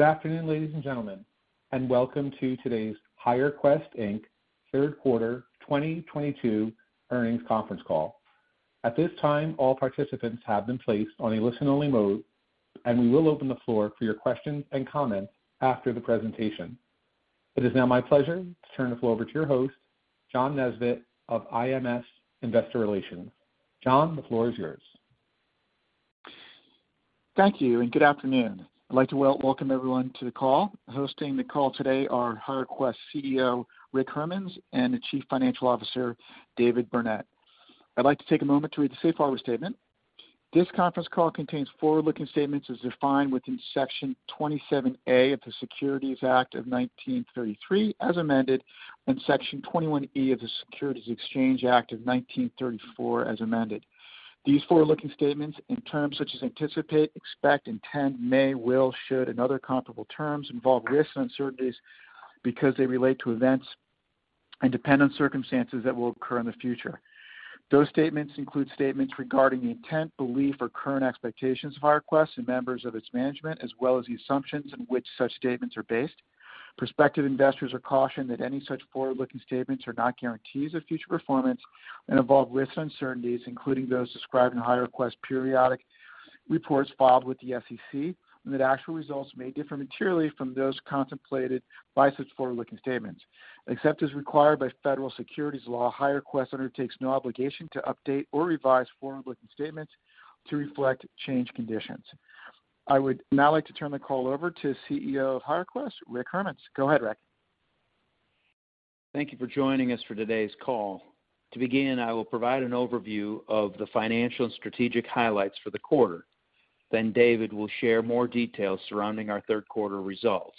Good afternoon, ladies and gentlemen, and welcome to today's HireQuest, Inc. third quarter 2022 earnings conference call. At this time, all participants have been placed on a listen-only mode, and we will open the floor for your questions and comments after the presentation. It is now my pleasure to turn the floor over to your host, John Nesbett of IMS Investor Relations. John, the floor is yours. Thank you and good afternoon. I'd like to welcome everyone to the call. Hosting the call today are HireQuest CEO, Rick Hermanns, and the Chief Financial Officer, David Burnett. I'd like to take a moment to read the safe harbor statement. This conference call contains forward-looking statements as defined within section 27A of the Securities Act of 1933, as amended, and section 21E of the Securities Exchange Act of 1934, as amended. These forward-looking statements and terms such as anticipate, expect, intend, may, will, should and other comparable terms involve risks and uncertainties because they relate to events and dependent circumstances that will occur in the future. Those statements include statements regarding the intent, belief, or current expectations of HireQuest and members of its management, as well as the assumptions in which such statements are based. Prospective investors are cautioned that any such forward-looking statements are not guarantees of future performance and involve risks and uncertainties, including those described in HireQuest's periodic reports filed with the SEC, and that actual results may differ materially from those contemplated by such forward-looking statements. Except as required by federal securities law, HireQuest undertakes no obligation to update or revise forward-looking statements to reflect changed conditions. I would now like to turn the call over to CEO of HireQuest, Rick Hermanns. Go ahead, Rick. Thank you for joining us for today's call. To begin, I will provide an overview of the financial and strategic highlights for the quarter. Then David will share more details surrounding our third quarter results.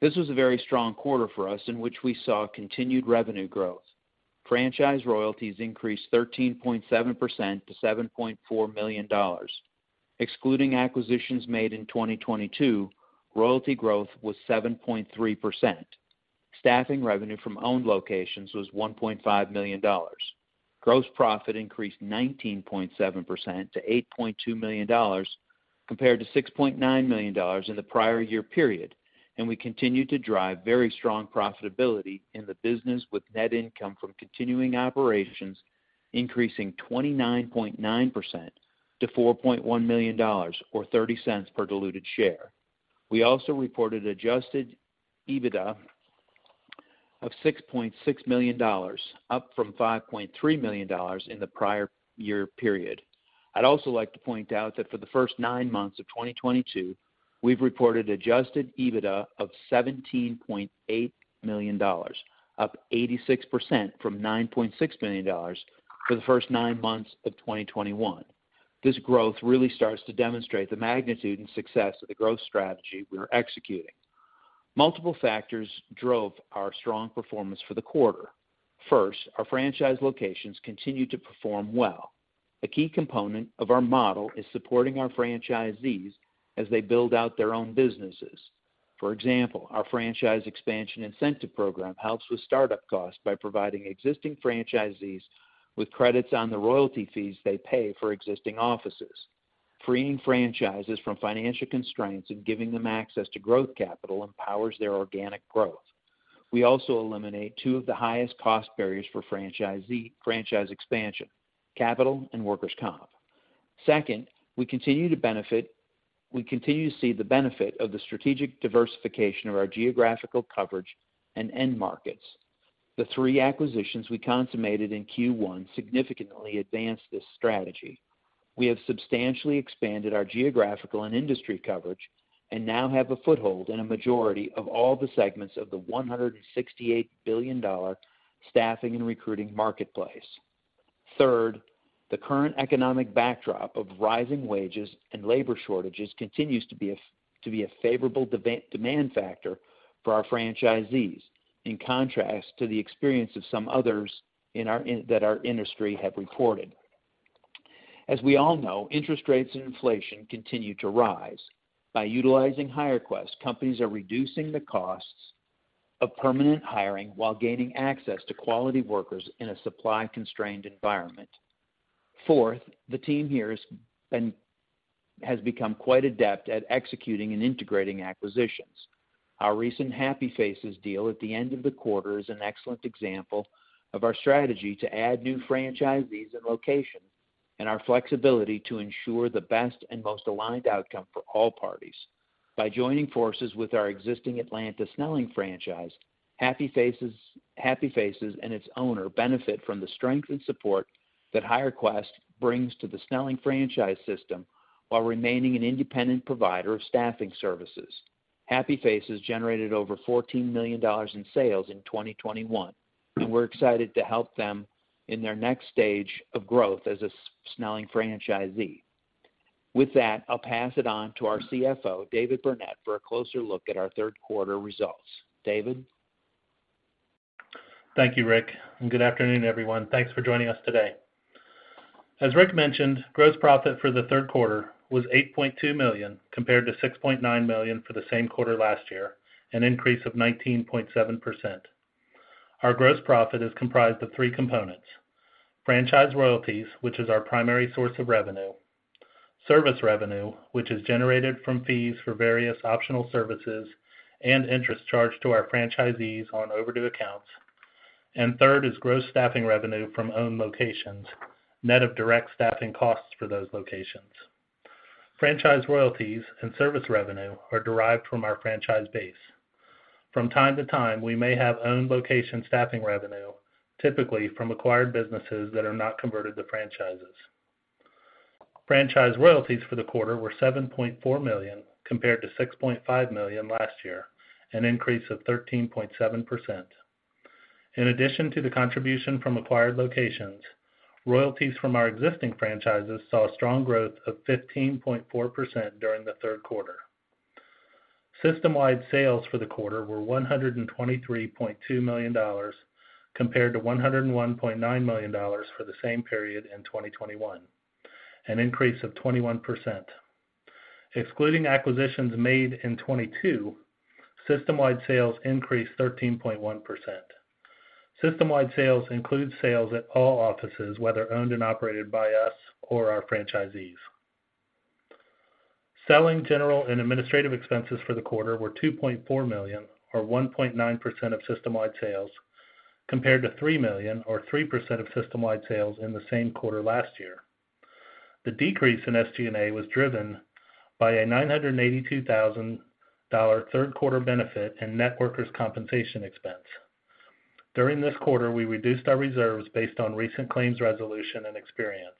This was a very strong quarter for us in which we saw continued revenue growth. Franchise royalties increased 13.7% to $7.4 million. Excluding acquisitions made in 2022, royalty growth was 7.3%. Staffing revenue from owned locations was $1.5 million. Gross profit increased 19.7% to $8.2 million, compared to $6.9 million in the prior year period. We continued to drive very strong profitability in the business with net income from continuing operations, increasing 29.9% to $4.1 million or $0.30 per diluted share. We also reported adjusted EBITDA of $6.6 million, up from $5.3 million in the prior year period. I'd also like to point out that for the first nine months of 2022, we've reported adjusted EBITDA of $17.8 million, up 86% from $9.6 million for the first nine months of 2021. This growth really starts to demonstrate the magnitude and success of the growth strategy we are executing. Multiple factors drove our strong performance for the quarter. First, our franchise locations continued to perform well. A key component of our model is supporting our franchisees as they build out their own businesses. For example, our franchise expansion incentive program helps with startup costs by providing existing franchisees with credits on the royalty fees they pay for existing offices. Freeing franchises from financial constraints and giving them access to growth capital empowers their organic growth. We also eliminate two of the highest cost barriers for franchise expansion, capital and workers' comp. Second, we continue to see the benefit of the strategic diversification of our geographical coverage and end markets. The three acquisitions we consummated in Q1 significantly advanced this strategy. We have substantially expanded our geographical and industry coverage and now have a foothold in a majority of all the segments of the $168 billion staffing and recruiting marketplace. Third, the current economic backdrop of rising wages and labor shortages continues to be a favorable demand factor for our franchisees, in contrast to the experience of some others in our industry have reported. As we all know, interest rates and inflation continue to rise. By utilizing HireQuest, companies are reducing the costs of permanent hiring while gaining access to quality workers in a supply-constrained environment. Fourth, the team here has become quite adept at executing and integrating acquisitions. Our recent Happy Faces deal at the end of the quarter is an excellent example of our strategy to add new franchisees and locations, and our flexibility to ensure the best and most aligned outcome for all parties. By joining forces with our existing Atlanta Snelling franchise, Happy Faces and its owner benefit from the strength and support that HireQuest brings to the Snelling franchise system while remaining an independent provider of staffing services. Happy Faces generated over $14 million in sales in 2021, and we're excited to help them in their next stage of growth as a Snelling franchisee. With that, I'll pass it on to our CFO, David Burnett, for a closer look at our third quarter results. David? Thank you, Rick, and good afternoon, everyone. Thanks for joining us today. As Rick mentioned, gross profit for the third quarter was $8.2 million, compared to $6.9 million for the same quarter last year, an increase of 19.7%. Our gross profit is comprised of three components. Franchise royalties, which is our primary source of revenue. Service revenue, which is generated from fees for various optional services and interest charged to our franchisees on overdue accounts. Third is gross staffing revenue from owned locations, net of direct staffing costs for those locations. Franchise royalties and service revenue are derived from our franchise base. From time to time, we may have owned location staffing revenue, typically from acquired businesses that are not converted to franchises. Franchise royalties for the quarter were $7.4 million compared to $6.5 million last year, an increase of 13.7%. In addition to the contribution from acquired locations, royalties from our existing franchises saw a strong growth of 15.4% during the third quarter. System-wide sales for the quarter were $123.2 million, compared to $101.9 million for the same period in 2021, an increase of 21%. Excluding acquisitions made in 2022, system-wide sales increased 13.1%. System-wide sales include sales at all offices, whether owned and operated by us or our franchisees. Selling, general, and administrative expenses for the quarter were $2.4 million or 1.9% of system-wide sales, compared to $3 million or 3% of system-wide sales in the same quarter last year. The decrease in SG&A was driven by a $982,000 third quarter benefit and net workers' compensation expense. During this quarter, we reduced our reserves based on recent claims resolution and experience.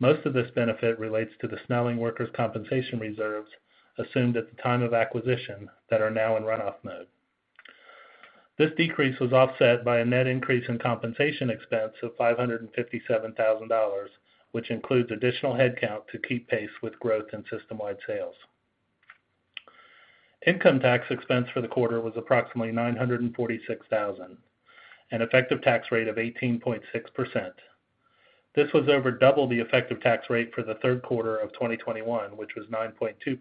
Most of this benefit relates to the Snelling workers' compensation reserves assumed at the time of acquisition that are now in run-off mode. This decrease was offset by a net increase in compensation expense of $557,000, which includes additional headcount to keep pace with growth in system-wide sales. Income tax expense for the quarter was approximately $946,000, an effective tax rate of 18.6%. This was over double the effective tax rate for the third quarter of 2021, which was 9.2%.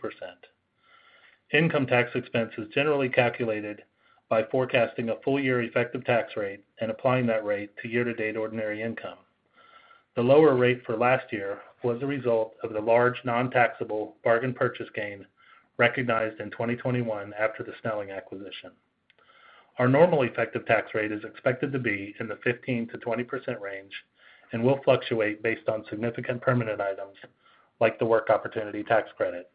Income tax expense is generally calculated by forecasting a full year effective tax rate and applying that rate to year-to-date ordinary income. The lower rate for last year was the result of the large non-taxable bargain purchase gain recognized in 2021 after the Snelling acquisition. Our normal effective tax rate is expected to be in the 15% to 20% range and will fluctuate based on significant permanent items like the Work Opportunity Tax Credit.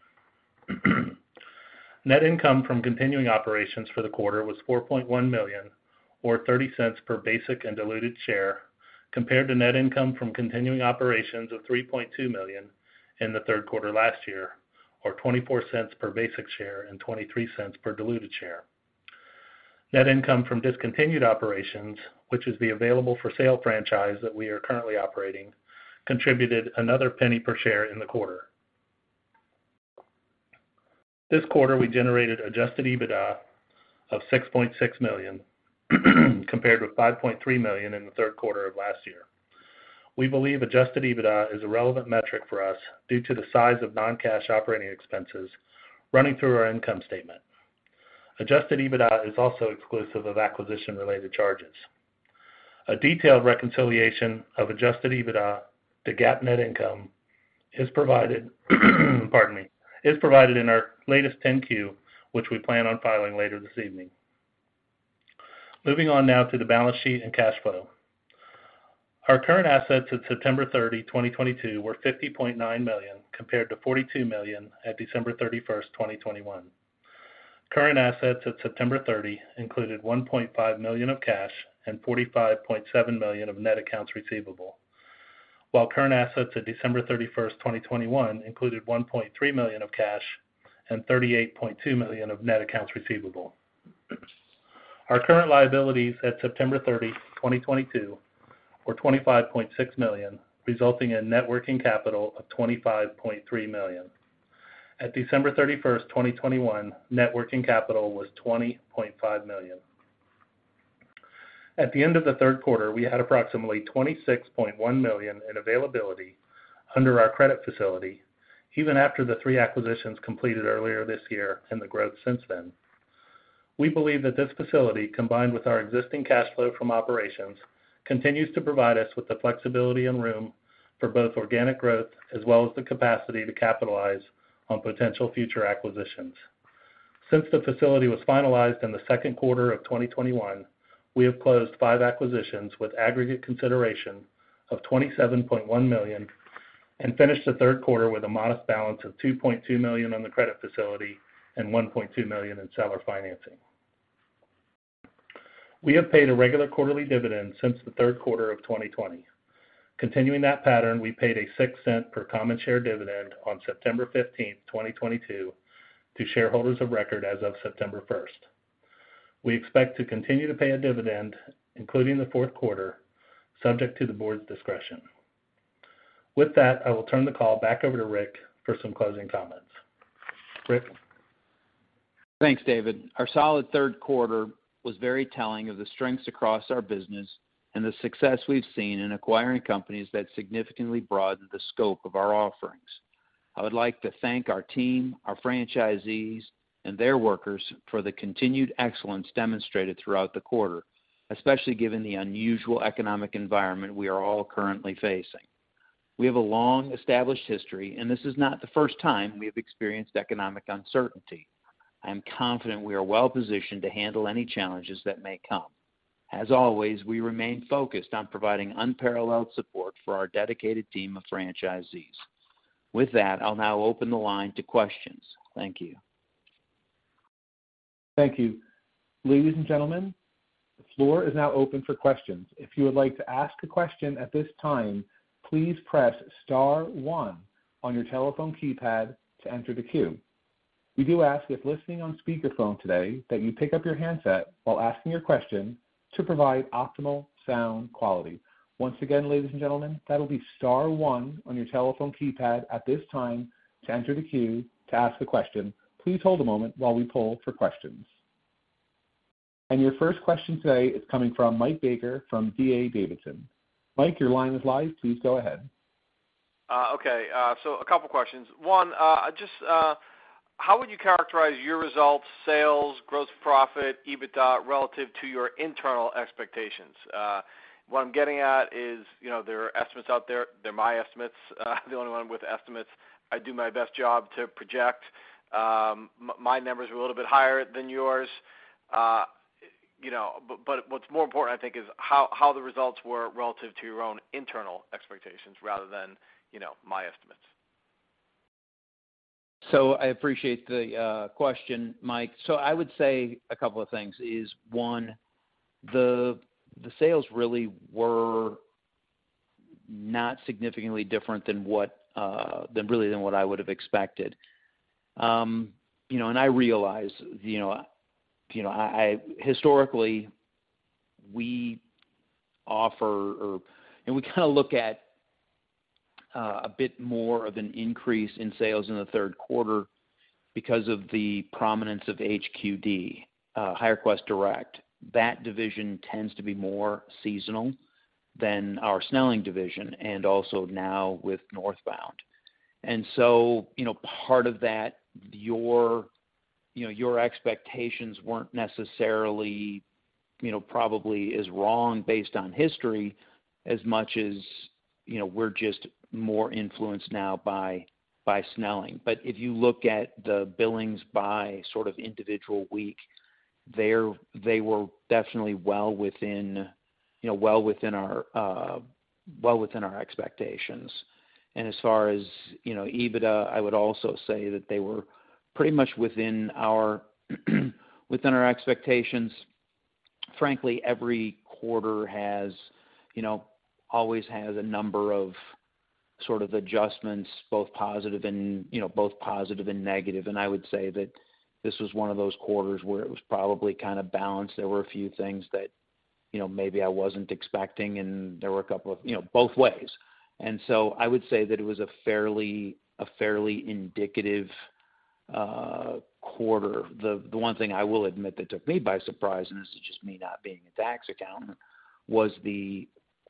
Net income from continuing operations for the quarter was $4.1 million or $0.30 per basic and diluted share, compared to net income from continuing operations of $3.2 million in the third quarter last year, or $0.24 per basic share and $0.23 per diluted share. Net income from discontinued operations, which is the available-for-sale franchise that we are currently operating, contributed another $0.01 per share in the quarter. This quarter, we generated adjusted EBITDA of $6.6 million compared with $5.3 million in the third quarter of last year. We believe adjusted EBITDA is a relevant metric for us due to the size of non-cash operating expenses running through our income statement. Adjusted EBITDA is also exclusive of acquisition-related charges. A detailed reconciliation of adjusted EBITDA to GAAP net income is provided, pardon me, in our latest Form 10-Q, which we plan on filing later this evening. Moving on now to the balance sheet and cash flow. Our current assets at September 30th, 2022 were $50.9 million, compared to $42 million at December 31st, 2021. Current assets at September 30th included $1.5 million of cash and $45.7 million of net accounts receivable, while current assets at December 31st, 2021 included $1.3 million of cash and $38.2 million of net accounts receivable. Our current liabilities at September 30th, 2022 were $25.6 million, resulting in net working capital of $25.3 million. At December 31st, 2021, net working capital was $20.5 million. At the end of the third quarter, we had approximately $26.1 million in availability under our credit facility, even after the three acquisitions completed earlier this year and the growth since then. We believe that this facility, combined with our existing cash flow from operations, continues to provide us with the flexibility and room for both organic growth as well as the capacity to capitalize on potential future acquisitions. Since the facility was finalized in the second quarter of 2021, we have closed five acquisitions with aggregate consideration of $27.1 million and finished the third quarter with a modest balance of $2.2 million on the credit facility and $1.2 million in seller financing. We have paid a regular quarterly dividend since the third quarter of 2020. Continuing that pattern, we paid a $0.06 per common share dividend on September 15th, 2022 to shareholders of record as of September 1st. We expect to continue to pay a dividend, including the fourth quarter, subject to the board's discretion. With that, I will turn the call back over to Rick for some closing comments. Rick? Thanks, David. Our solid third quarter was very telling of the strengths across our business and the success we've seen in acquiring companies that significantly broaden the scope of our offerings. I would like to thank our team, our franchisees, and their workers for the continued excellence demonstrated throughout the quarter, especially given the unusual economic environment we are all currently facing. We have a long-established history, and this is not the first time we have experienced economic uncertainty. I am confident we are well-positioned to handle any challenges that may come. As always, we remain focused on providing unparalleled support for our dedicated team of franchisees. With that, I'll now open the line to questions. Thank you. Thank you. Ladies and gentlemen, the floor is now open for questions. If you would like to ask a question at this time, please press star one on your telephone keypad to enter the queue. We do ask, if listening on speakerphone today, that you pick up your handset while asking your question to provide optimal sound quality. Once again, ladies and gentlemen, that'll be star one on your telephone keypad at this time to enter the queue to ask a question. Please hold a moment while we poll for questions. Your first question today is coming from Michael Baker from D.A. Davidson. Mike, your line is live. Please go ahead. Okay. A couple questions. One, just how would you characterize your results, sales, gross profit, EBITDA, relative to your internal expectations? What I'm getting at is, you know, there are estimates out there. They're my estimates. I'm the only one with estimates. I do my best job to project. My numbers are a little bit higher than yours. You know, but what's more important, I think, is how the results were relative to your own internal expectations rather than, you know, my estimates. I appreciate the question, Mike. I would say a couple of things is, one, the sales really were not significantly different than what I would have expected. You know, and I realize, you know, you know, historically we kinda look at a bit more of an increase in sales in the third quarter because of the prominence of HQD, HireQuest Direct. That division tends to be more seasonal than our Snelling division and also now with Northbound. You know, part of that, your expectations weren't necessarily, you know, probably is wrong based on history as much as, you know, we're just more influenced now by Snelling. If you look at the billings by sort of individual week, they were definitely well within, you know, our expectations. As far as, you know, EBITDA, I would also say that they were pretty much within our expectations. Frankly, every quarter, you know, always has a number of sort of adjustments, both positive and negative. I would say that this was one of those quarters where it was probably kind of balanced. There were a few things that, you know, maybe I wasn't expecting, and there were a couple of things both ways. I would say that it was a fairly indicative quarter. The one thing I will admit that took me by surprise, and this is just me not being a tax accountant, was,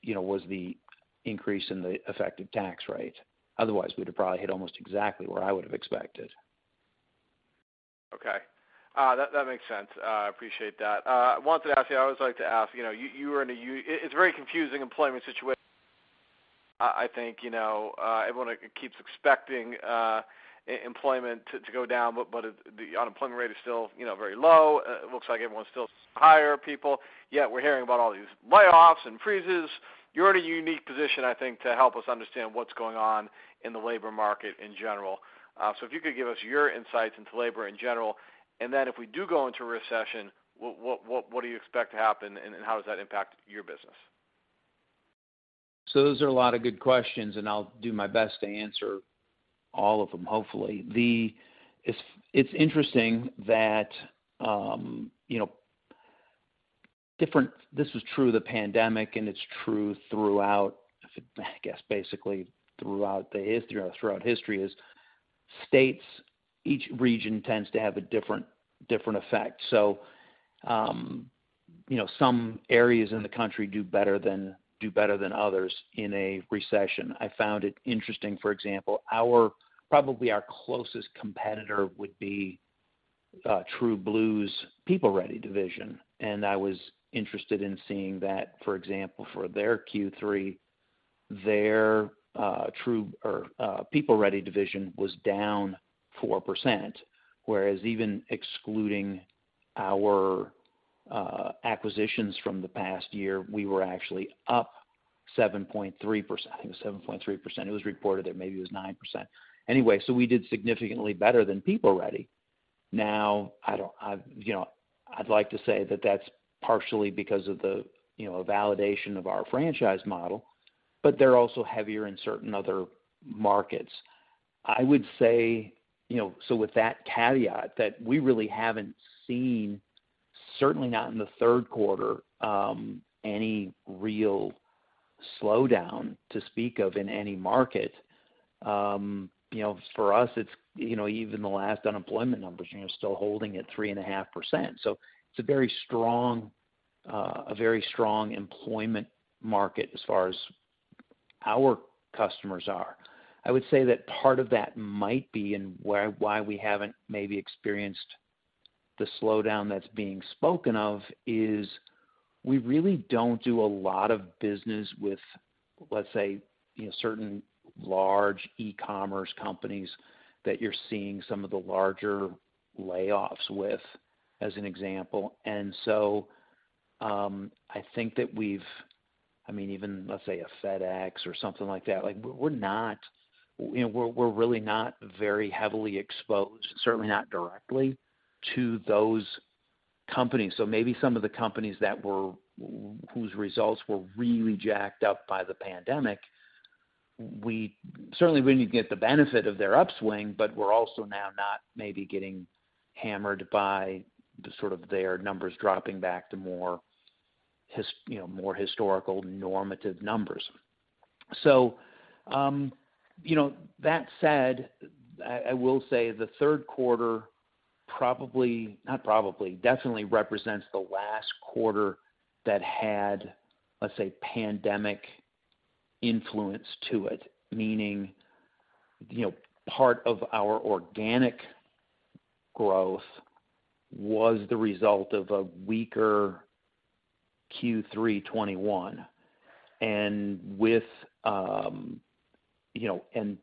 you know, the increase in the effective tax rate. Otherwise, we'd have probably hit almost exactly what I would have expected. Okay. That makes sense. Appreciate that. I wanted to ask you. I always like to ask, you know. It's a very confusing employment situation, I think, you know. Everyone keeps expecting employment to go down, but it. The unemployment rate is still, you know, very low. Looks like everyone's still hiring people, yet we're hearing about all these layoffs and freezes. You're in a unique position, I think, to help us understand what's going on in the labor market in general. So if you could give us your insights into labor in general, and then if we do go into a recession, what do you expect to happen, and how does that impact your business? Those are a lot of good questions, and I'll do my best to answer all of them, hopefully. It's interesting that this was true of the pandemic, and it's true throughout, I guess, basically throughout history. States, each region tends to have a different effect. You know, some areas in the country do better than others in a recession. I found it interesting, for example. Probably our closest competitor would be TrueBlue's PeopleReady division. I was interested in seeing that, for example, for their Q3, their PeopleReady division was down 4%, whereas even excluding our acquisitions from the past year, we were actually up 7.3%. I think it was 7.3%. It was reported that maybe it was 9%. Anyway, we did significantly better than PeopleReady. Now, I've, you know, I'd like to say that that's partially because of the, you know, a validation of our franchise model, but they're also heavier in certain other markets. I would say, you know, so with that caveat, that we really haven't seen, certainly not in the third quarter, any real slowdown to speak of in any market. You know, for us, it's, you know, even the last unemployment numbers, you know, still holding at 3.5%. It's a very strong employment market as far as our customers are. I would say that part of that might be why we haven't maybe experienced the slowdown that's being spoken of is we really don't do a lot of business with, let's say, you know, certain large e-commerce companies that you're seeing some of the larger layoffs with, as an example. I think, I mean, even, let's say, a FedEx or something like that, like we're not, you know, we're really not very heavily exposed, certainly not directly, to those companies. Maybe some of the companies whose results were really jacked up by the pandemic, certainly we need to get the benefit of their upswing, but we're also now not maybe getting hammered by the sort of their numbers dropping back to more, you know, more historical normative numbers. You know, that said, I will say the third quarter definitely represents the last quarter that had, let's say, pandemic influence to it. Meaning, you know, part of our organic growth was the result of a weaker Q3 2021.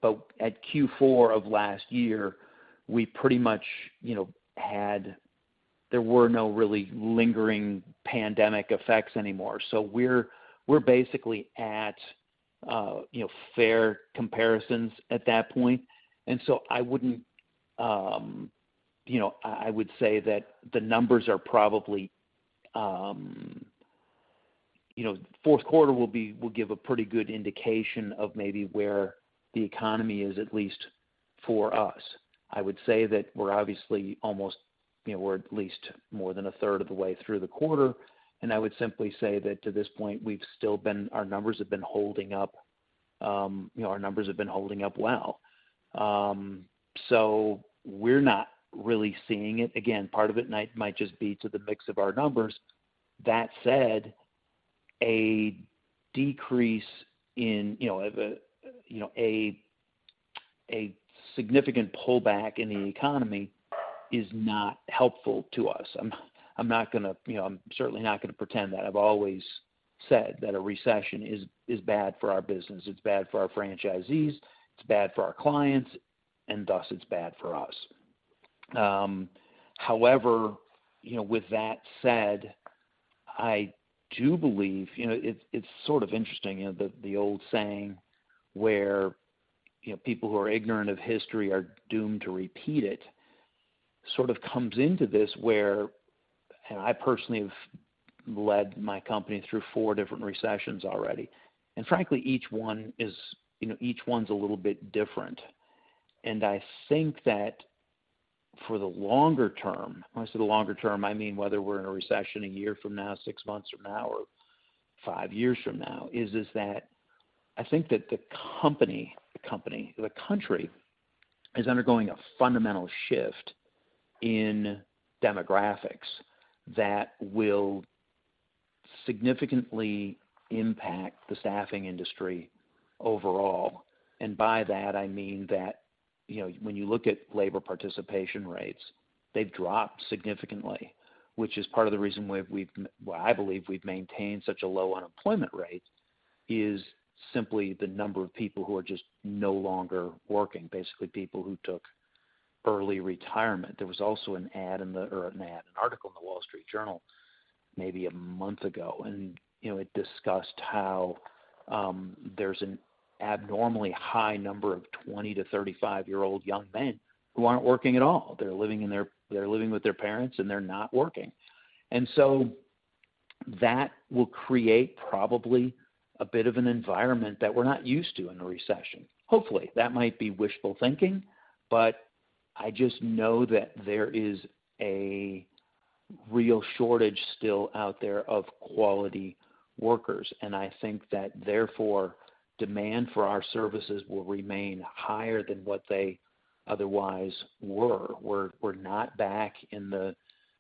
But at Q4 of last year, we pretty much, you know, had. There were no really lingering pandemic effects anymore. We're basically at, you know, fair comparisons at that point. I wouldn't, you know, I would say that the numbers are probably, you know. Fourth quarter will give a pretty good indication of maybe where the economy is, at least for us. I would say that we're obviously at least more than a third of the way through the quarter, and I would simply say that to this point, our numbers have been holding up well. We're not really seeing it. Again, part of it might just be due to the mix of our numbers. That said, a decrease in the economy, a significant pullback in the economy is not helpful to us. I'm certainly not gonna pretend that. I've always said that a recession is bad for our business. It's bad for our franchisees, it's bad for our clients, and thus it's bad for us. However, with that said, I do believe. You know, it's sort of interesting, you know, the old saying where, you know, people who are ignorant of history are doomed to repeat it sort of comes into this. I personally have led my company through four different recessions already, and frankly, each one is, you know, a little bit different. I think that for the longer term, when I say the longer term, I mean whether we're in a recession a year from now, six months from now, or five years from now, is that I think that the company, the country is undergoing a fundamental shift in demographics that will significantly impact the staffing industry overall. By that, I mean that, you know, when you look at labor participation rates, they've dropped significantly, which is part of the reason we've well, I believe we've maintained such a low unemployment rate, is simply the number of people who are just no longer working. Basically, people who took early retirement. There was also an article in The Wall Street Journal maybe a month ago, and, you know, it discussed how there's an abnormally high number of 20 to 35-year-old young men who aren't working at all. They're living with their parents, and they're not working. That will create probably a bit of an environment that we're not used to in a recession. Hopefully, that might be wishful thinking, but I just know that there is a real shortage still out there of quality workers. I think that therefore, demand for our services will remain higher than what they otherwise were. We're not back in the,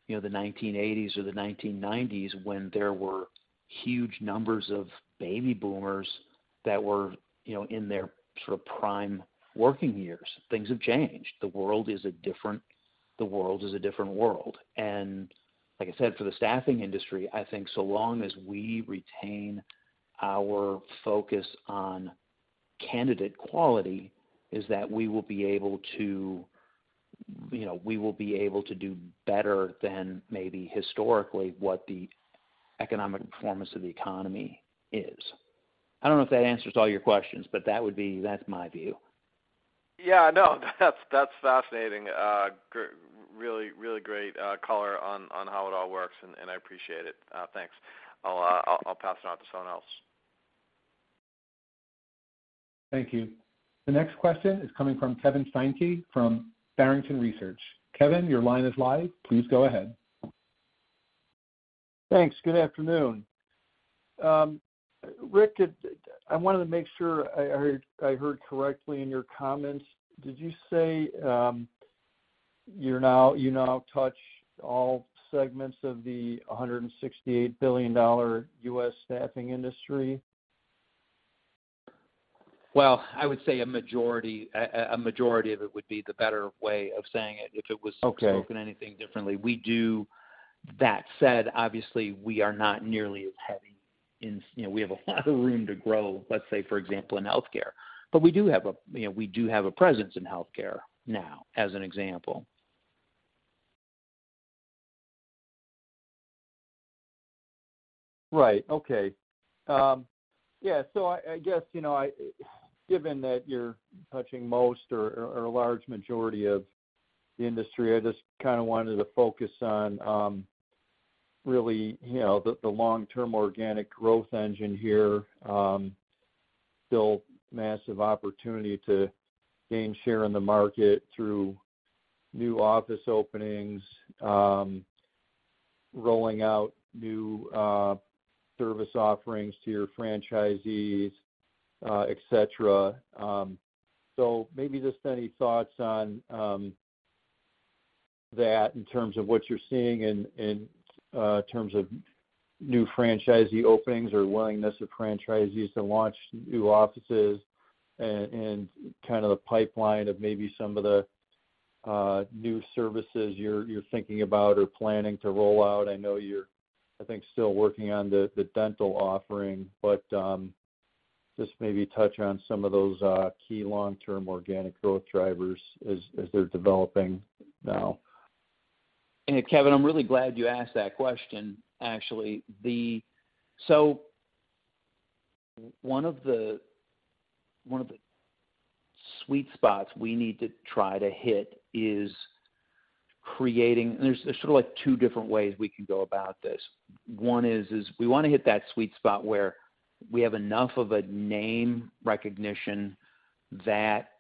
you know, the 1980s or the 1990s when there were huge numbers of baby boomers that were, you know, in their sort of prime working years. Things have changed. The world is a different world. Like I said, for the staffing industry, I think so long as we retain our focus on candidate quality, is that we will be able to, you know, we will be able to do better than maybe historically what the economic performance of the economy is. I don't know if that answers all your questions, but that would be. That's my view. Yeah, no, that's fascinating. Really, really great color on how it all works, and I appreciate it. Thanks. I'll pass it on to someone else. Thank you. The next question is coming from Kevin Steinke from Barrington Research. Kevin, your line is live. Please go ahead. Thanks. Good afternoon. Rick, I wanted to make sure I heard correctly in your comments. Did you say, You now touch all segments of the $168 billion U.S. staffing industry? Well, I would say a majority of it would be the better way of saying it, if it was. Okay Spoken anything differently. That said, obviously, we are not nearly as heavy in, you know, we have a lot of room to grow, let's say, for example, in healthcare. You know, we do have a presence in healthcare now, as an example. Right. Okay. Yeah. I guess, you know, given that you're touching most or a large majority of the industry, I just kinda wanted to focus on really, you know, the long-term organic growth engine here, still massive opportunity to gain share in the market through new office openings, rolling out new service offerings to your franchisees, et cetera. Maybe just any thoughts on that in terms of what you're seeing in terms of new franchisee openings or willingness of franchisees to launch new offices and kinda the pipeline of maybe some of the new services you're thinking about or planning to roll out. I know you're, I think, still working on the dental offering, but just maybe touch on some of those key long-term organic growth drivers as they're developing now. Kevin, I'm really glad you asked that question, actually. One of the sweet spots we need to try to hit is creating. There's sort of, like, two different ways we can go about this. One is we wanna hit that sweet spot where we have enough of a name recognition that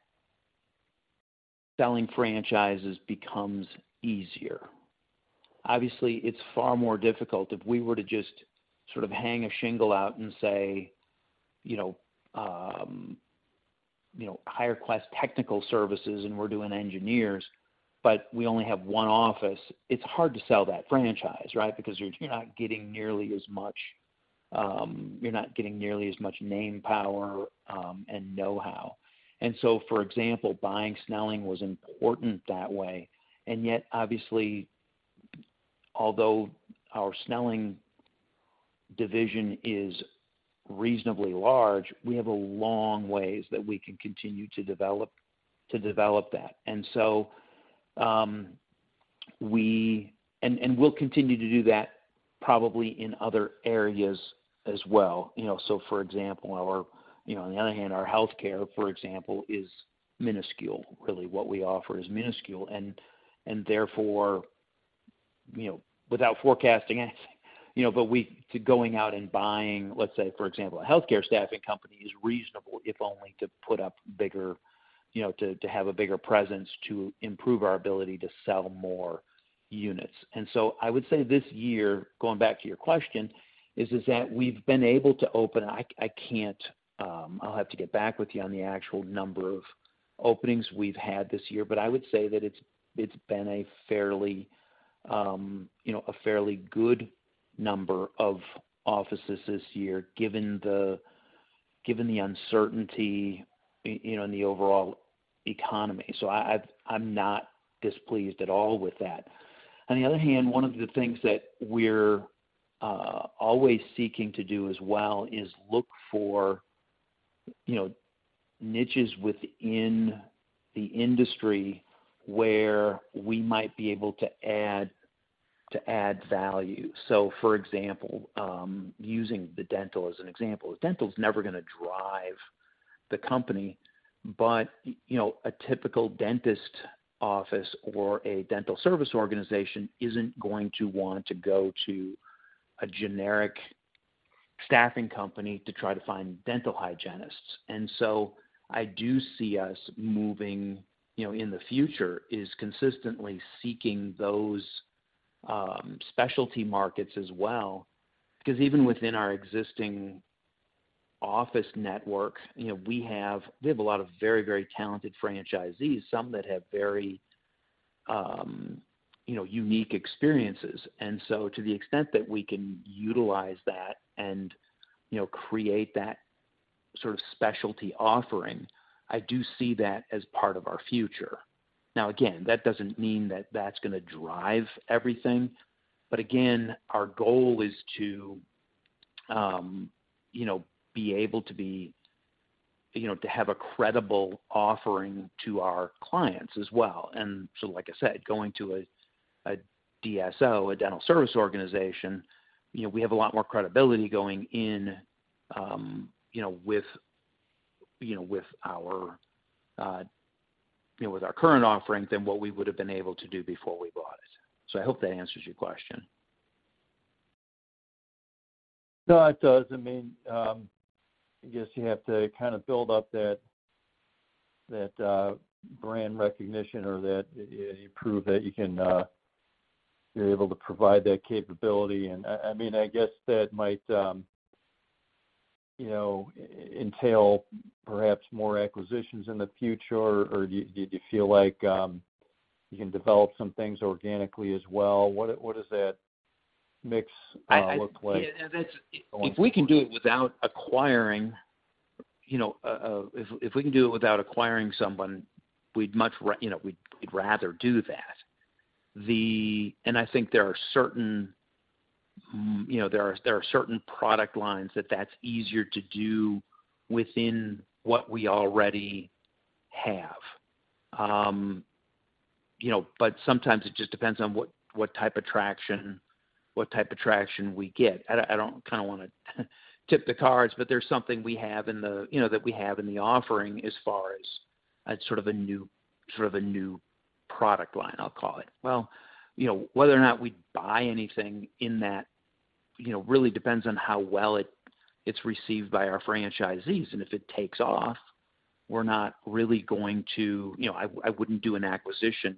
selling franchises becomes easier. Obviously, it's far more difficult. If we were to just sort of hang a shingle out and say, you know, you know, HireQuest Technical Services, and we're doing engineers, but we only have one office, it's hard to sell that franchise, right? Because you're not getting nearly as much name power, and know-how. For example, buying Snelling was important that way. Yet, obviously, although our Snelling division is reasonably large, we have a long ways that we can continue to develop that. We'll continue to do that probably in other areas as well. You know, for example, our, you know, on the other hand, our healthcare, for example, is minuscule. Really, what we offer is minuscule. Therefore, you know, without forecasting it, you know, but to going out and buying, let's say, for example, a healthcare staffing company is reasonable, if only to put up bigger, you know, to have a bigger presence to improve our ability to sell more units. I would say this year, going back to your question, is that we've been able to open. I can't. I'll have to get back with you on the actual number of openings we've had this year, but I would say that it's been a fairly good number of offices this year, given the uncertainty you know in the overall economy. I'm not displeased at all with that. On the other hand, one of the things that we're always seeking to do as well is look for you know niches within the industry where we might be able to add value. For example, using the dental as an example, dental is never gonna drive the company. You know, a typical dentist office or a dental service organization isn't going to want to go to a generic staffing company to try to find dental hygienists. I do see us moving, you know, in the future, is consistently seeking those specialty markets as well. 'Cause even within our existing office network, you know, we have a lot of very, very talented franchisees, some that have very, you know, unique experiences. To the extent that we can utilize that and, you know, create that sort of specialty offering, I do see that as part of our future. Now, again, that doesn't mean that that's gonna drive everything. Again, our goal is to, you know, be able to be, you know, to have a credible offering to our clients as well. Like I said, going to a DSO, a dental service organization, you know, we have a lot more credibility going in, you know, with our current offering than what we would've been able to do before we bought it. I hope that answers your question. No, it does. I mean, I guess you have to kinda build up that brand recognition or that you prove that you can, you're able to provide that capability. I mean, I guess that might, you know, entail perhaps more acquisitions in the future or do you feel like you can develop some things organically as well? What does that mix look like going forward? If we can do it without acquiring, you know, if we can do it without acquiring someone, we'd much rather do that. I think there are certain, you know, there are certain product lines that that's easier to do within what we already have. You know, but sometimes it just depends on what type of traction we get. I don't kinda wanna tip the cards, but there's something we have in the, you know, that we have in the offering as far as sort of a new, sort of a new product line, I'll call it. Well, you know, whether or not we buy anything in that, you know, really depends on how well it's received by our franchisees. And if it takes off, we're not really going to. You know, I wouldn't do an acquisition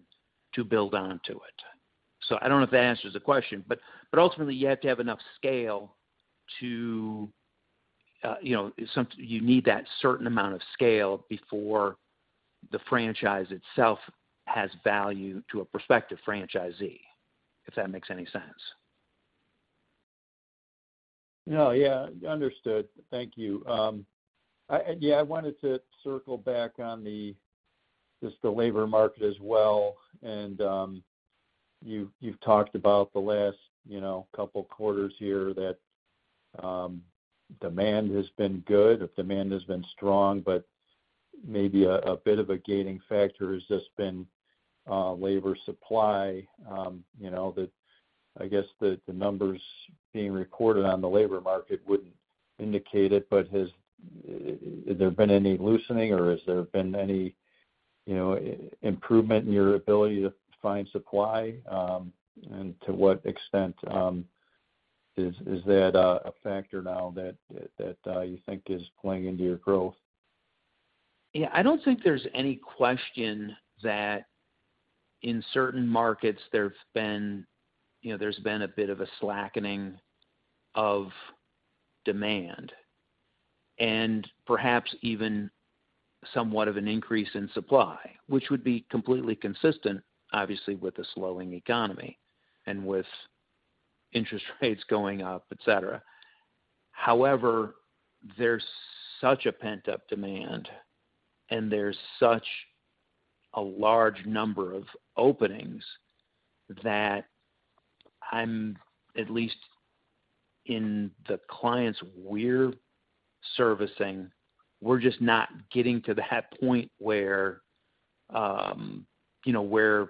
to build onto it. I don't know if that answers the question, but ultimately, you have to have enough scale to, you know, you need that certain amount of scale before the franchise itself has value to a prospective franchisee, if that makes any sense. No, yeah. Understood. Thank you. Yeah, I wanted to circle back on the just the labor market as well. You've talked about the last, you know, couple quarters here that demand has been good or demand has been strong, but maybe a bit of a lagging factor has just been labor supply, you know. That I guess the numbers being recorded on the labor market wouldn't indicate it, but has there been any loosening or has there been any, you know, improvement in your ability to find supply? To what extent is that a factor now that you think is playing into your growth? Yeah. I don't think there's any question that in certain markets, you know, there's been a bit of a slackening of demand, and perhaps even somewhat of an increase in supply, which would be completely consistent, obviously, with the slowing economy and with interest rates going up, et cetera. However, there's such a pent-up demand, and there's such a large number of openings that I'm, at least in the clients we're servicing, we're just not getting to that point where, you know, we're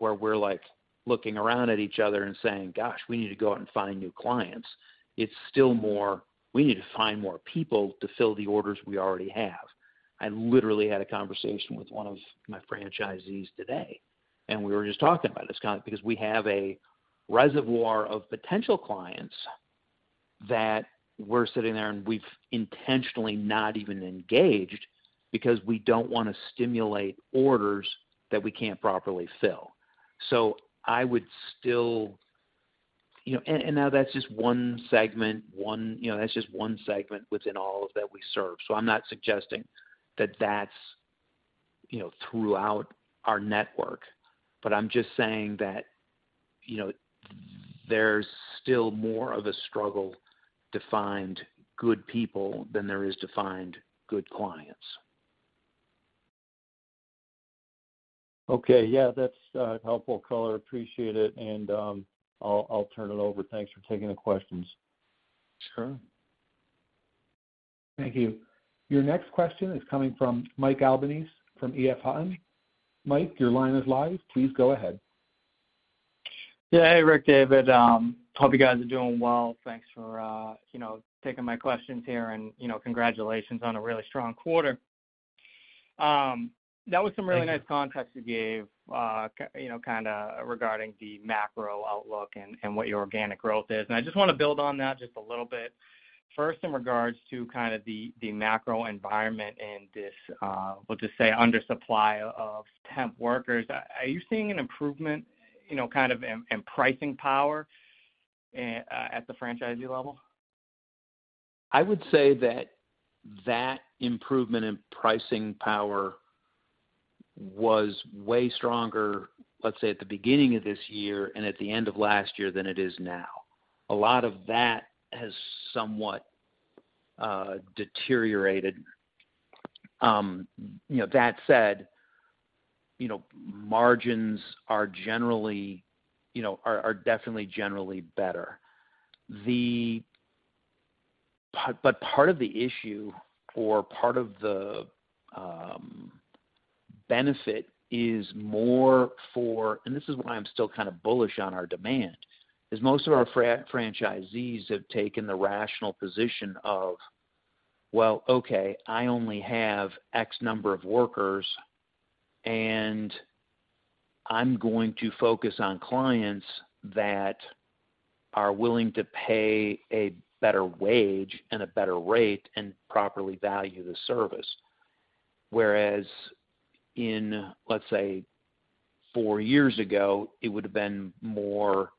like, looking around at each other and saying, "Gosh, we need to go out and find new clients." It's still more, we need to find more people to fill the orders we already have. I literally had a conversation with one of my franchisees today, and we were just talking about this kind of. Because we have a reservoir of potential clients that we're sitting there, and we've intentionally not even engaged because we don't wanna stimulate orders that we can't properly fill. I would still. You know, and now that's just one segment, you know, that's just one segment within all of that we serve. I'm not suggesting that that's, you know, throughout our network, but I'm just saying that, you know, there's still more of a struggle to find good people than there is to find good clients. Okay. Yeah, that's a helpful color. Appreciate it, and I'll turn it over. Thanks for taking the questions. Sure. Thank you. Your next question is coming from Mike Albanese from EF Hutton. Mike, your line is live. Please go ahead. Yeah. Hey, Rick, David. Hope you guys are doing well. Thanks for, you know, taking my questions here, and, you know, congratulations on a really strong quarter. Thank you. really nice context you gave, you know, kinda regarding the macro outlook and what your organic growth is, and I just wanna build on that just a little bit. First, in regards to kind of the macro environment and this we'll just say, under supply of temp workers, are you seeing an improvement, you know, kind of in pricing power at the franchisee level? I would say that improvement in pricing power was way stronger, let's say, at the beginning of this year and at the end of last year than it is now. A lot of that has somewhat deteriorated. You know, that said, you know, margins are generally, you know, definitely better. The Part of the issue or part of the benefit is more for, and this is why I'm still kind of bullish on our demand, is most of our franchisees have taken the rational position of, well, okay, I only have X number of workers, and I'm going to focus on clients that are willing to pay a better wage and a better rate and properly value the service. Whereas in, let's say, four years ago, it would've been more,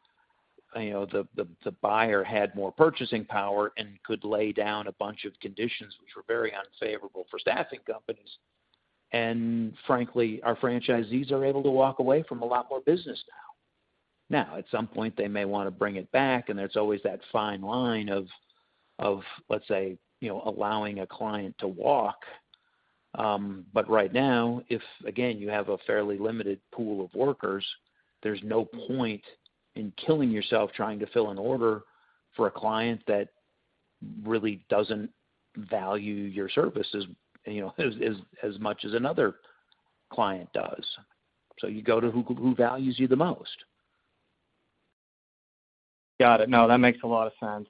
you know, the buyer had more purchasing power and could lay down a bunch of conditions which were very unfavorable for staffing companies. Frankly, our franchisees are able to walk away from a lot more business now. Now, at some point they may wanna bring it back, and there's always that fine line of, let's say, you know, allowing a client to walk. Right now, if again, you have a fairly limited pool of workers, there's no point in killing yourself trying to fill an order for a client that really doesn't value your services, you know, as much as another client does. So you go to who values you the most. Got it. No, that makes a lot of sense.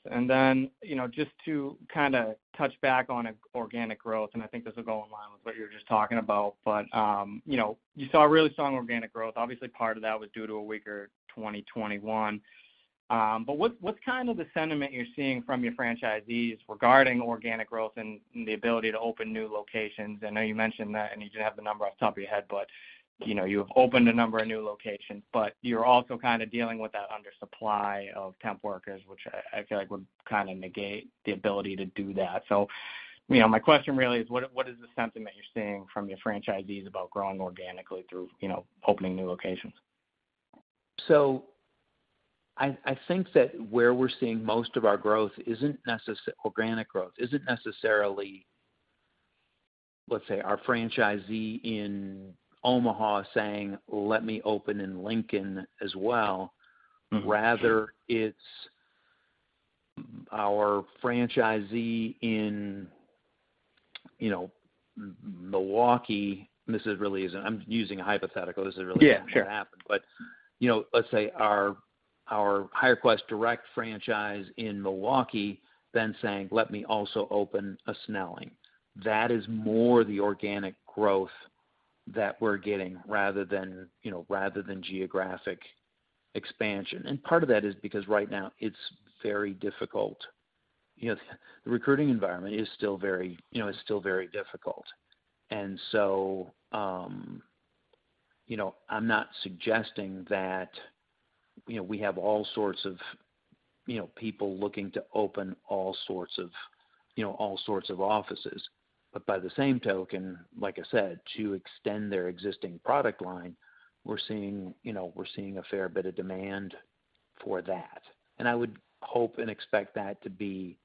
You know, just to kinda touch back on organic growth, and I think this will go in line with what you were just talking about. You know, you saw really strong organic growth. Obviously, part of that was due to a weaker 2021. What's kind of the sentiment you're seeing from your franchisees regarding organic growth and the ability to open new locations? I know you mentioned that, I know you didn't have the number off the top of your head, but, you know, you've opened a number of new locations, but you're also kinda dealing with that undersupply of temp workers, which I feel like would kinda negate the ability to do that. you know, my question really is: What is the sentiment you're seeing from your franchisees about growing organically through, you know, opening new locations? I think that where we're seeing most of our growth isn't necessarily organic growth, let's say, our franchisee in Omaha saying, "Let me open in Lincoln as well. Rather it's our franchisee in, you know, Milwaukee, and this really is. I'm using a hypothetical. This has really Yeah, sure. not gonna happen. You know, let's say our HireQuest Direct franchise in Milwaukee then saying, "Let me also open a Snelling." That is more the organic growth that we're getting rather than geographic expansion. Part of that is because right now it's very difficult. You know, the recruiting environment is still very difficult. You know, I'm not suggesting that we have all sorts of people looking to open all sorts of offices. By the same token, like I said, to extend their existing product line, we're seeing, you know, a fair bit of demand for that. I would hope and expect that to be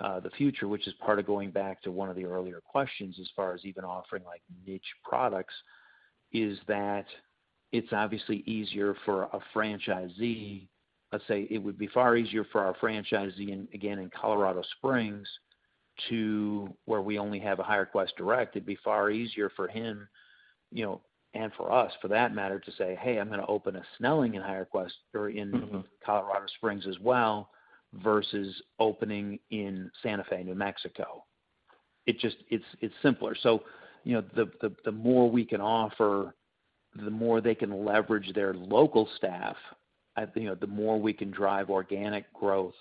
the future, which is part of going back to one of the earlier questions as far as even offering like niche products, is that it's obviously easier for a franchisee. Let's say it would be far easier for our franchisee in, again, in Colorado Springs to where we only have a HireQuest Direct, it'd be far easier for him, you know, and for us, for that matter, to say, "Hey, I'm gonna open a Snelling and HireQuest or in- Colorado Springs as well, versus opening in Santa Fe, New Mexico. It just, it's simpler. You know, the more we can offer, the more they can leverage their local staff, you know, the more we can drive organic growth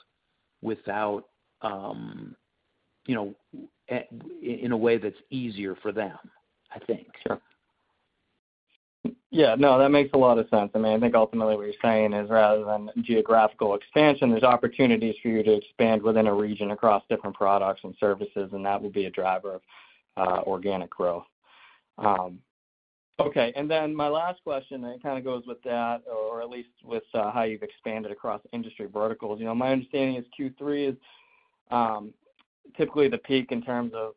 without, you know, in a way that's easier for them, I think. Sure. Yeah, no, that makes a lot of sense. I mean, I think ultimately what you're saying is, rather than geographical expansion, there's opportunities for you to expand within a region across different products and services, and that will be a driver of organic growth. Okay. Then my last question, and it kinda goes with that or at least with how you've expanded across industry verticals. You know, my understanding is Q3 is typically the peak in terms of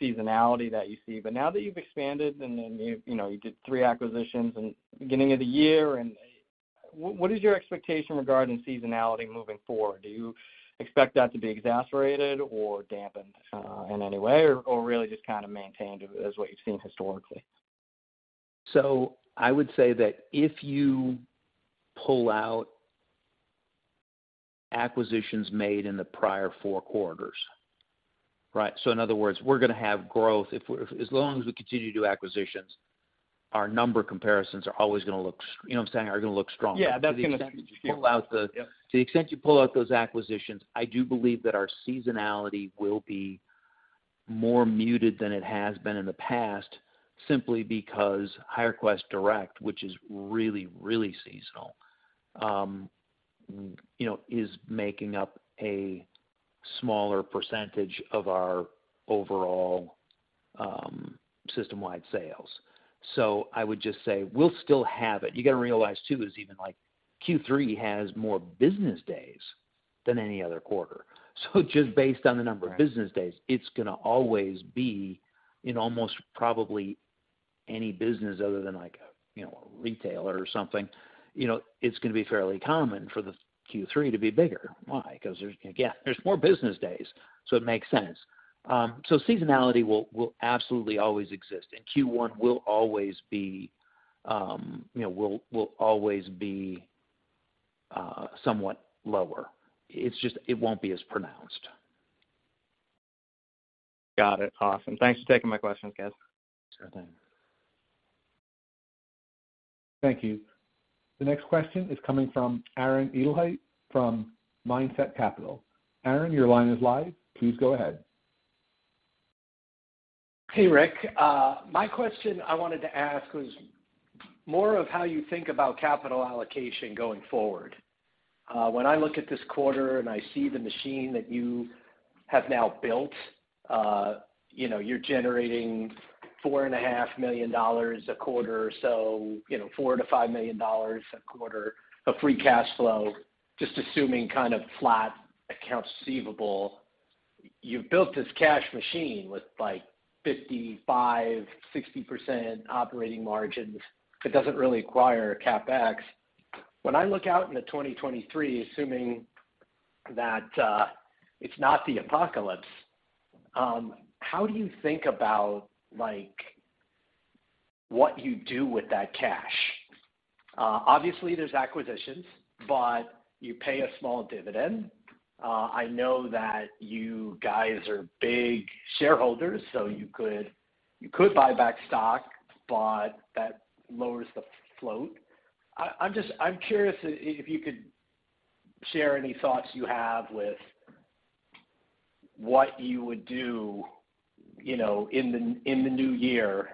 seasonality that you see. Now that you've expanded and then you've, you know, you did three acquisitions in beginning of the year, and what is your expectation regarding seasonality moving forward? Do you expect that to be exacerbated or dampened in any way, or really just kind of maintained as what you've seen historically? I would say that if you pull out acquisitions made in the prior four quarters, right? In other words, we're gonna have growth as long as we continue to do acquisitions. Our number comparisons are always gonna look strong. You know what I'm saying? Yeah, that's gonna- To the extent you pull out the- Yep. To the extent you pull out those acquisitions, I do believe that our seasonality will be more muted than it has been in the past, simply because HireQuest Direct, which is really, really seasonal, you know, is making up a smaller percentage of our overall system-wide sales. I would just say we'll still have it. You gotta realize, too, is even like Q3 has more business days than any other quarter. Just based on the number of business days, it's gonna always be in almost probably any business other than like a retailer or something. You know, it's gonna be fairly common for the Q3 to be bigger. Why? Because there's, again, there's more business days, so it makes sense. Seasonality will absolutely always exist, and Q1 will always be, you know, somewhat lower. It's just, it won't be as pronounced. Got it. Awesome. Thanks for taking my questions, Rick Hermanns. Sure thing. Thank you. The next question is coming from Aaron Edelheit from Mindset Capital. Aaron, your line is live. Please go ahead. Hey, Rick. My question I wanted to ask was more of how you think about capital allocation going forward. When I look at this quarter and I see the machine that you have now built, you know, you're generating $4.5 million a quarter, so you know, $4 million to $5 million a quarter of free cash flow, just assuming kind of flat accounts receivable. You've built this cash machine with, like, 55% to 60% operating margins that doesn't really require CapEx. When I look out into 2023, assuming that it's not the apocalypse, how do you think about, like, what you do with that cash? Obviously there's acquisitions, but you pay a small dividend. I know that you guys are big shareholders, so you could buy back stock, but that lowers the float. I'm curious if you could share any thoughts you have with what you would do, you know, in the new year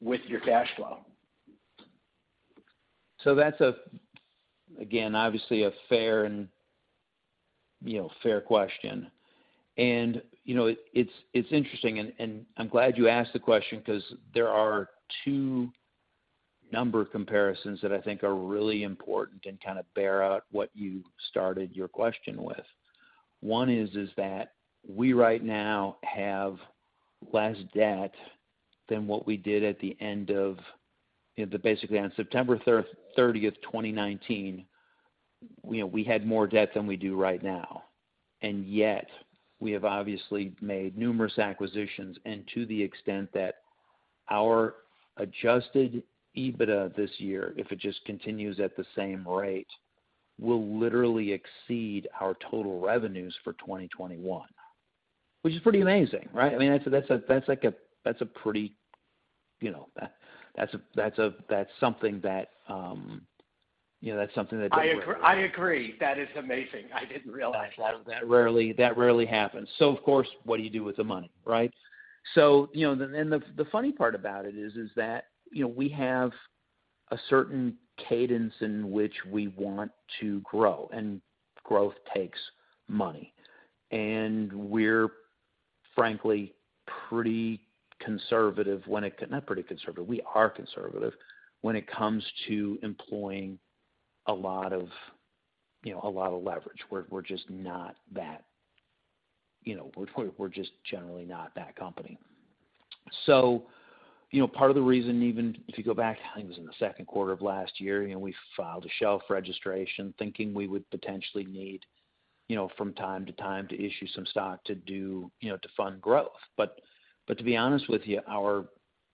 with your cash flow. That's, again, obviously a fair and, you know, fair question. You know, it's interesting and I'm glad you asked the question because there are two number comparisons that I think are really important and kind of bear out what you started your question with. One is that we right now have less debt than what we did at the end of basically on September 30th, 2019, you know, we had more debt than we do right now. Yet, we have obviously made numerous acquisitions, and to the extent that our adjusted EBITDA this year if it just continues at the same rate, will literally exceed our total revenues for 2021, which is pretty amazing, right? I mean, that's like a pretty, you know, that's something that, you know, that's something. I agree. That is amazing. I didn't realize that. That rarely happens. Of course, what do you do with the money, right? You know, the funny part about it is that, you know, we have a certain cadence in which we want to grow, and growth takes money. We're frankly pretty conservative. Not pretty conservative, we are conservative when it comes to employing a lot of leverage. We're just not that, you know, we're just generally not that company. You know, part of the reason, even if you go back, I think it was in the second quarter of last year, you know, we filed a shelf registration thinking we would potentially need, you know, from time to time to issue some stock to do, you know, to fund growth. To be honest with you, our,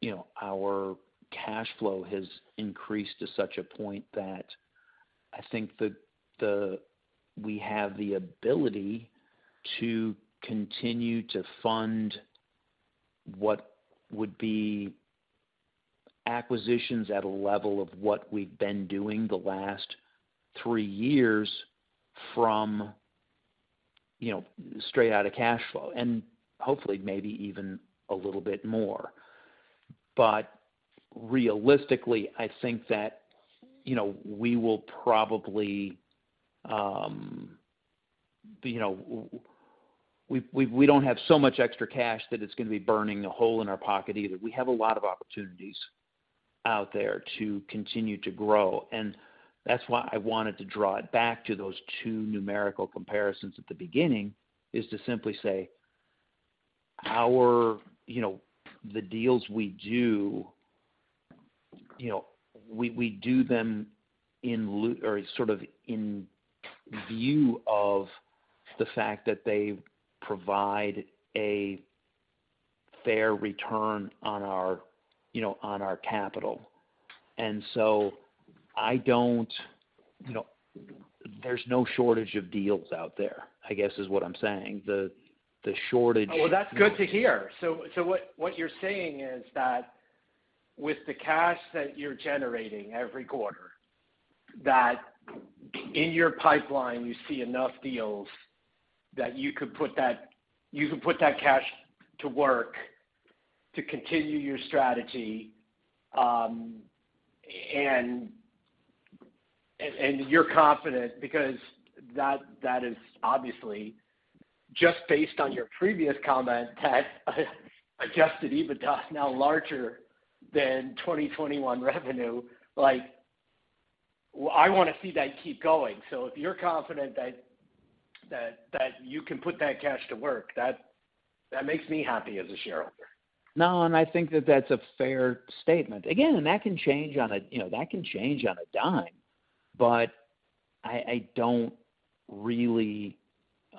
you know, our cash flow has increased to such a point that I think we have the ability to continue to fund what would be acquisitions at a level of what we've been doing the last three years from, you know, straight out of cash flow, and hopefully maybe even a little bit more. Realistically, I think that, you know, we will probably, you know, we don't have so much extra cash that it's going to be burning a hole in our pocket either. We have a lot of opportunities out there to continue to grow, and that's why I wanted to draw it back to those two numerical comparisons at the beginning, is to simply say our, you know, the deals we do, you know, we do them or sort of in view of the fact that they provide a fair return on our, you know, on our capital. I don't, you know. There's no shortage of deals out there, I guess, is what I'm saying. The shortage- Oh, that's good to hear. What you're saying is that with the cash that you're generating every quarter, that in your pipeline, you see enough deals that you could put that cash to work to continue your strategy. And you're confident because that is obviously just based on your previous comment that adjusted EBITDA is now larger than 2021 revenue. Like, I want to see that keep going. If you're confident that you can put that cash to work, that makes me happy as a shareholder. No, I think that's a fair statement. Again, that can change on a dime. But I don't really, you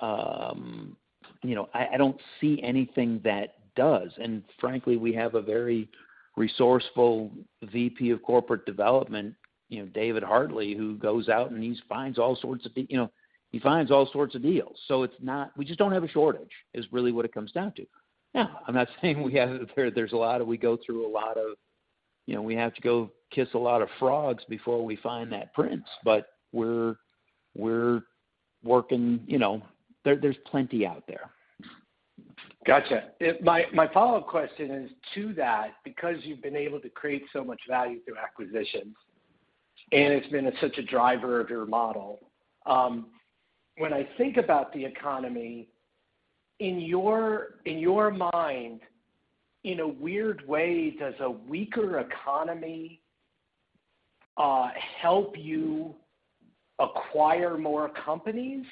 know, I don't see anything that does. Frankly, we have a very resourceful VP of Corporate Development, you know, David Hartley, who goes out and he finds all sorts of things, you know, he finds all sorts of deals. It's not. We just don't have a shortage, is really what it comes down to. Yeah, I'm not saying we have. There's a lot of. We go through a lot of, you know, we have to go kiss a lot of frogs before we find that prince. We're working, you know. There's plenty out there. Gotcha. My follow-up question is to that, because you've been able to create so much value through acquisitions, and it's been such a driver of your model, when I think about the economy, in your mind, in a weird way, does a weaker economy help you acquire more companies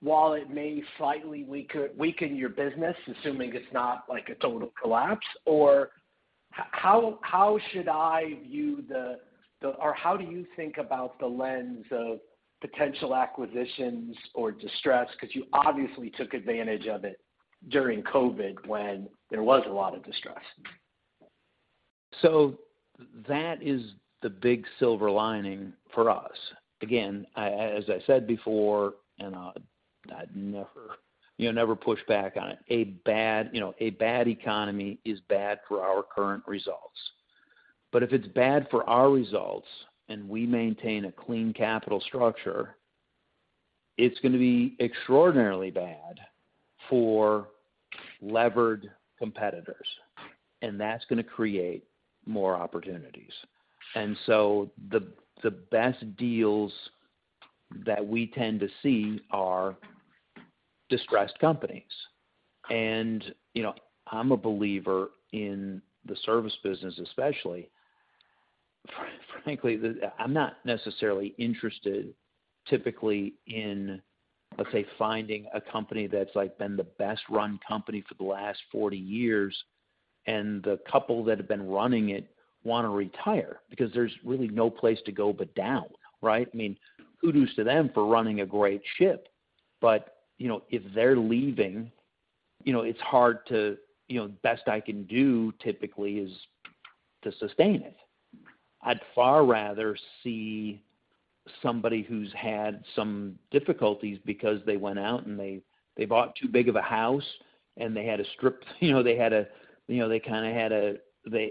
while it may slightly weaken your business, assuming it's not like a total collapse? Or how do you think about the lens of potential acquisitions or distress? Because you obviously took advantage of it during COVID when there was a lot of distress. That is the big silver lining for us. Again, I, as I said before, I'd never, you know, never push back on it. A bad economy is bad for our current results. But if it's bad for our results and we maintain a clean capital structure, it's gonna be extraordinarily bad for levered competitors, and that's gonna create more opportunities. The best deals that we tend to see are distressed companies. You know, I'm a believer in the service business, especially. Frankly, I'm not necessarily interested typically in, let's say, finding a company that's like been the best run company for the last 40 years, and the couple that have been running it wanna retire because there's really no place to go but down, right? I mean, kudos to them for running a great ship. You know, if they're leaving, you know, it's hard to sustain it. You know, the best I can do typically is to sustain it. I'd far rather see somebody who's had some difficulties because they went out and they bought too big of a house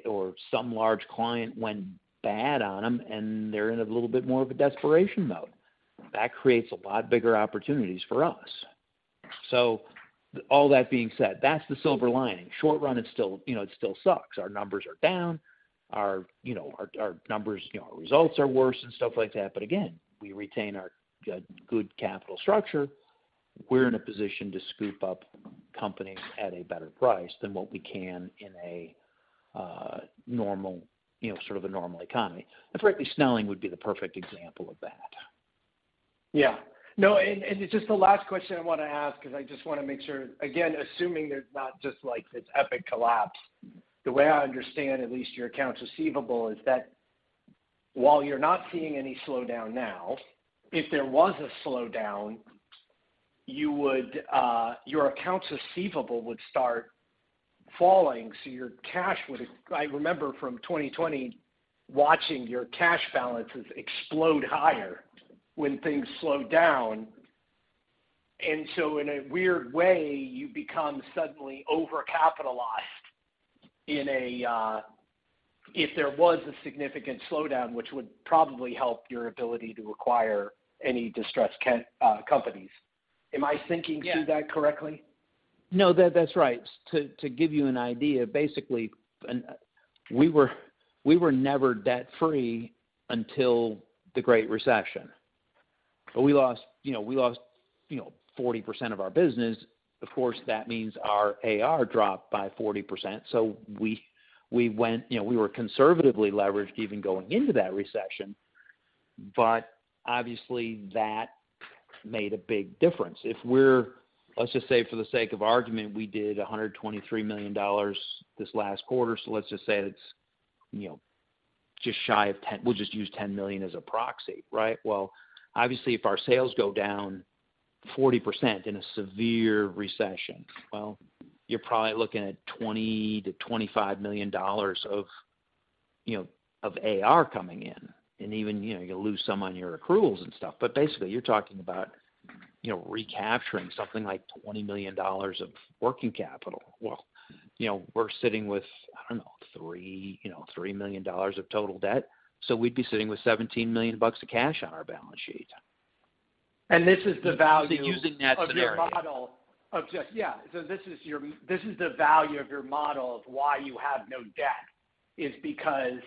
or some large client went bad on them and they're in a little bit more of a desperation mode. That creates a lot bigger opportunities for us. All that being said, that's the silver lining. Short run, it's still, you know, it still sucks. Our numbers are down. You know, our numbers, you know, our results are worse and stuff like that. Again, we retain our good capital structure. We're in a position to scoop up companies at a better price than what we can in a normal, you know, sort of a normal economy. Frankly, Snelling would be the perfect example of that. Yeah. No, and just the last question I wanna ask, 'cause I just wanna make sure, again, assuming there's not just like this epic collapse, the way I understand at least your accounts receivable is that while you're not seeing any slowdown now, if there was a slowdown, you would your accounts receivable would start falling, so your cash would. I remember from 2020 watching your cash balances explode higher when things slowed down. In a weird way, you become suddenly over-capitalized in a. If there was a significant slowdown, which would probably help your ability to acquire any distressed companies. Am I thinking through that correctly? No, that's right. To give you an idea, basically, we were never debt-free until the Great Recession. We lost, you know, 40% of our business. Of course, that means our AR dropped by 40%. So we went. You know, we were conservatively leveraged even going into that recession, but obviously that made a big difference. If we're, let's just say for the sake of argument, we did $123 million this last quarter. Let's just say it's, you know, we'll just use $10 million as a proxy, right? Well, obviously, if our sales go down 40% in a severe recession, you're probably looking at $20 million to $25 million of, you know, of AR coming in. Even, you know, you'll lose some on your accruals and stuff. Basically, you're talking about, you know, recapturing something like $20 million of working capital. Well, you know, we're sitting with, I don't know, $3 million of total debt. We'd be sitting with $17 million of cash on our balance sheet. And this is the value- Using that scenario. This is your, this is the value of your model of why you have no debt, is because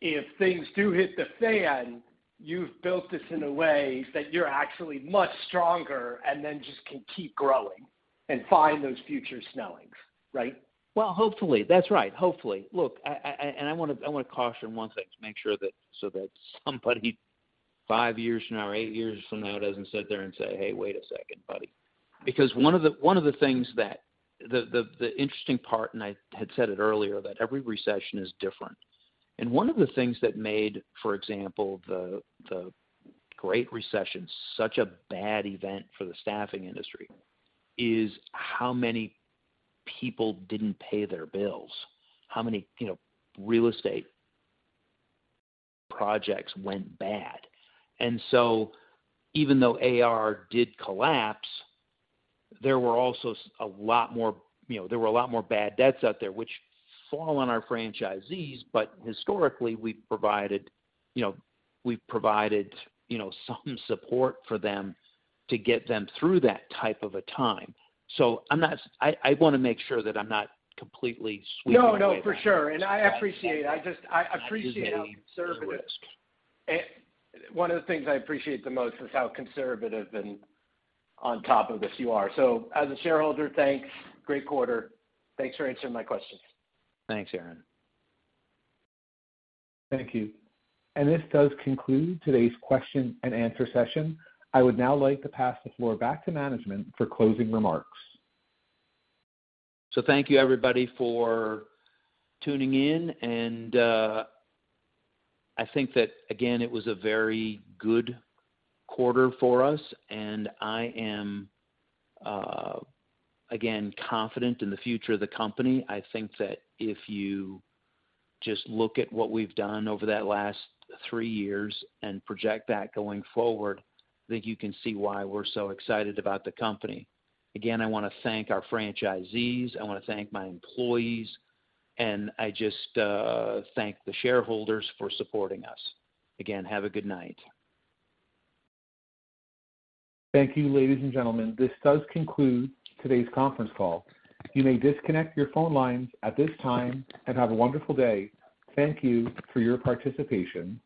if things do hit the fan, you've built this in a way that you're actually much stronger and then just can keep growing and find those future Snellings, right? Well, hopefully. That's right. Hopefully. Look, I wanna caution one second to make sure that so that somebody five years from now or eight years from now doesn't sit there and say, "Hey, wait a second, buddy." Because one of the things that the interesting part, and I had said it earlier, that every recession is different. One of the things that made, for example, the Great Recession such a bad event for the staffing industry is how many people didn't pay their bills. How many, you know, real estate projects went bad. Even though AR did collapse, there were also a lot more, you know, there were a lot more bad debts out there which fall on our franchisees. Historically, we've provided, you know, some support for them to get them through that type of a time. I'm not. I wanna make sure that I'm not completely sweeping it away. No, no, for sure. I appreciate it. I appreciate how conservative. There's risk. One of the things I appreciate the most is how conservative and on top of this you are. As a shareholder, thanks. Great quarter. Thanks for answering my questions. Thanks, Aaron. Thank you. This does conclude today's question and answer session. I would now like to pass the floor back to management for closing remarks. Thank you everybody for tuning in, and I think that, again, it was a very good quarter for us, and I am again confident in the future of the company. I think that if you just look at what we've done over that last three years and project that going forward, I think you can see why we're so excited about the company. Again, I wanna thank our franchisees, I wanna thank my employees, and I just thank the shareholders for supporting us. Again, have a good night. Thank you, ladies and gentlemen. This does conclude today's conference call. You may disconnect your phone lines at this time, and have a wonderful day. Thank you for your participation.